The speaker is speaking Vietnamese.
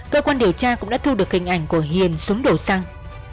cơ quan điều tra cũng đã thu được hình ảnh của hiền xuống đổ xăng